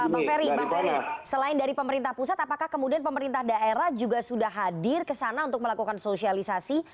bang ferry bang ferry selain dari pemerintah pusat apakah kemudian pemerintah daerah juga sudah hadir ke sana untuk melakukan sosialisasi